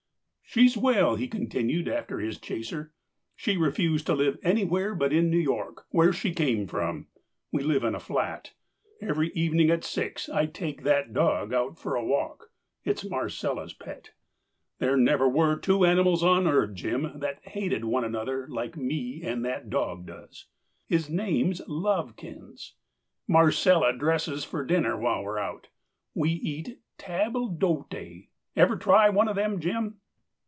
"She's well," he continued, after his chaser. "She refused to live anywhere but in New York, where she came from. We live in a flat. Every evening at six I take that dog out for a walk. It's Marcella's pet. There never were two animals on earth, Jim, that hated one another like me and that dog does. His name's Lovekins. Marcella dresses for dinner while we're out. We eat tabble dote. Ever try one of them, Jim?"